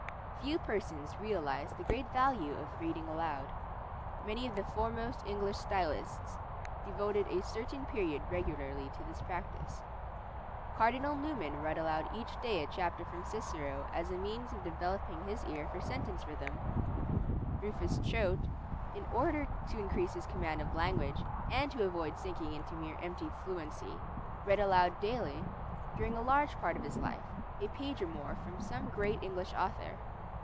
Few persons realize the great value of reading aloud. Many of the foremost English stylists devoted a certain period regularly to this practise. Cardinal Newman read aloud each day a chapter from Cicero as a means of developing his ear for sentence rhythm. Rufus Choate, in order to increase his command of language, and to avoid sinking into mere empty fluency, read aloud daily, during a large part of his life, a page or more from some great English author.